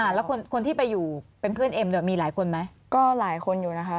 แล้วคนที่ไปอยู่เป็นเพื่อนเอ็มเนี่ยมีหลายคนไหมก็หลายคนอยู่นะคะ